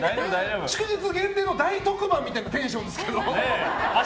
祝日限定の大特番みたいなテンションですけど。